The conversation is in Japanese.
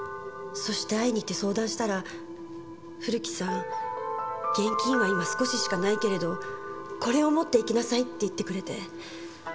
そして会いに行って相談したら古木さん現金は今少ししかないけれどこれを持って行きなさいって言ってくれて。